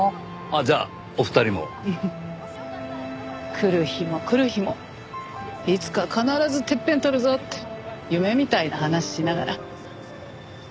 来る日も来る日もいつか必ずてっぺん取るぞって夢みたいな話しながら。